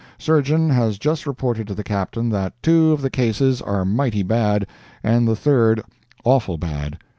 —Surgeon has just reported to the Captain that 'two of the cases are mighty bad, and the third awful bad.'